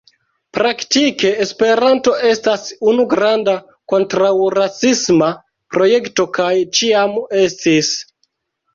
Praktike Esperanto estas unu granda kontraŭrasisma projekto kaj ĉiam estis.